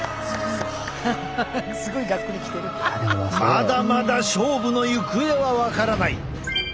まだまだ勝負の行方は分からない。